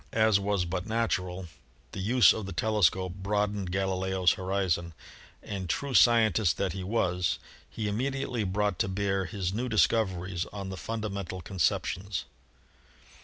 As was but natural, the use of the telescope broadened Gali leo's horizon, and, true scientist that he was, he imme diately brought to bear his new discoveries on the funda mental conceptions.